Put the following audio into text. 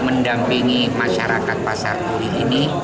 mendampingi masyarakat pasar gurih ini